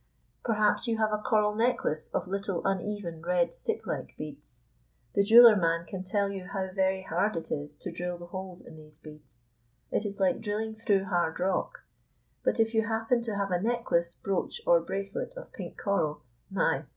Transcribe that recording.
Perhaps you have a coral necklace of little, uneven, red, stick like beads. The jeweller man can tell you how very hard it is to drill the holes in these beads; it is like drilling through hard rock. But if you happen to have a necklace, brooch, or bracelet of pink coral, my!